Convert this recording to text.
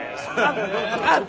あっ！